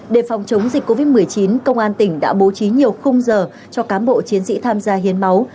để phòng chống dịch covid một mươi chín công an tỉnh đã bố trí nhiều khung giờ cho cám bộ chiến sĩ tham gia hiến máu